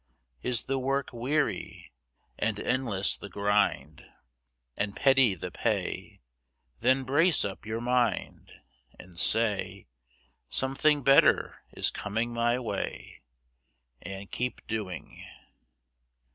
Is the work weary, and endless the grind And petty the pay? Then brace up your mind And say 'Something better is coming my way,' And keep doing.